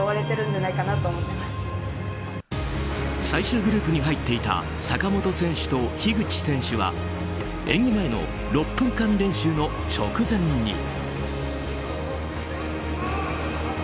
最終グループに入っていた坂本選手と樋口選手は演技前の６分間練習の直前に。